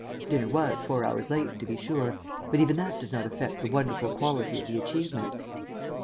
Dinner was four hours late to be sure, but even that does not affect the wonderful quality of the achievement."